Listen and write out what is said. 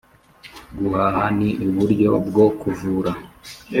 guhaha ni uburyo bwo kuvura